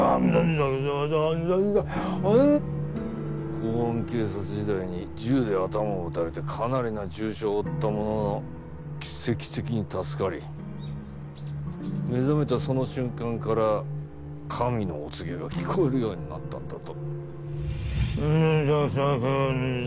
公安警察時代に銃で頭を撃たれてかなりな重傷を負ったものの奇跡的に助かり目覚めたその瞬間から神のお告げが聞こえるようになったんだと。